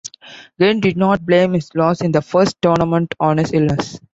Gen did not blame his loss in the first tournament on his illness.